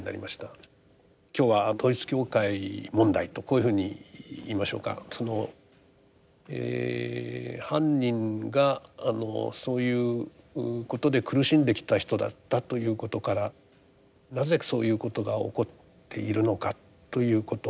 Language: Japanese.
今日は統一教会問題とこういうふうにいいましょうかその犯人があのそういうことで苦しんできた人だったということからなぜそういうことが起こっているのかということ。